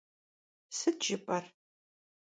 Sıt jjıp'er?